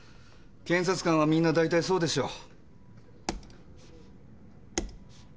検察官はみんな大体そうでしょう。